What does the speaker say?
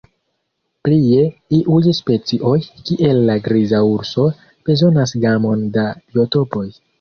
Plie, iuj specioj, kiel la griza urso, bezonas gamon da biotopoj.